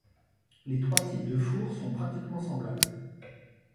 Les trois types de four sont pratiquement semblables.